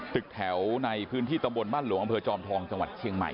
ตึกแถวในพื้นที่ตำบลบ้านหลวงอำเภอจอมทองจังหวัดเชียงใหม่